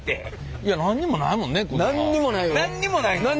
いや何にもないもんね？